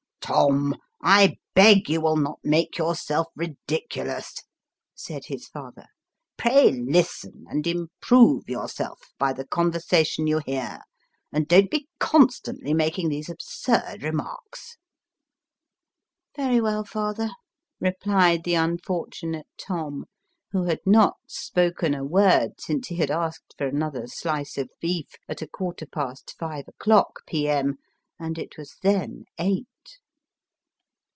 " Tom, I beg you will not make yourself ridiculous," said his father. " Pray listen, and improve yourself by the conversation you hear, and don't be constantly making these absurd remarks." " Very well, father," replied the unfortunate Tom, who had not spoken a word since he had asked for another slice of beef at a quarter past five o'clock, P.M., and it was then eight.